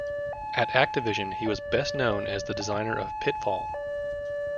At Activision, he was best known as the designer of "Pitfall!".